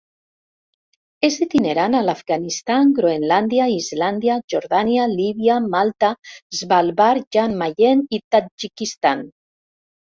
És itinerant a l'Afganistan, Groenlàndia, Islàndia, Jordània, Líbia, Malta, Svalbard, Jan Mayen i Tadjikistan.